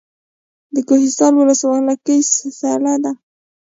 د کوهستان ولسوالۍ سړه ده